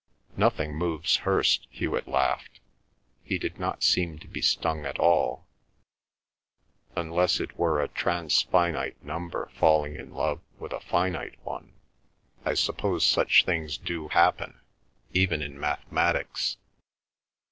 "Nothing moves Hirst," Hewet laughed; he did not seem to be stung at all. "Unless it were a transfinite number falling in love with a finite one—I suppose such things do happen, even in mathematics."